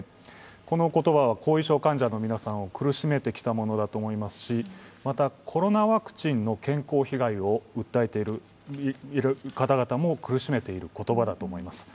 この言葉は後遺症患者の方々を苦しめてきたものであると思いますしコロナワクチンの健康被害を訴えている方々も苦しめている言葉だと思います。